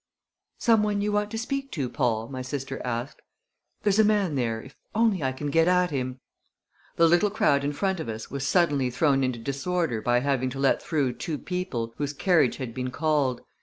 "Some one you want to speak to, Paul?" my sister asked. "There's a man there if I can only get at him." The little crowd in front of us was suddenly thrown into disorder by having to let through two people whose carriage had been called.